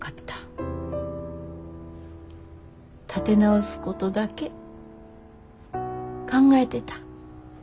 立て直すことだけ考えてた。